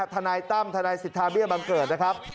ทนายตั้มทนายสิทธาเบี้ยบำเกิด